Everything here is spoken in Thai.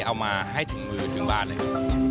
เอามาให้ถึงมือถึงบ้านเลยครับ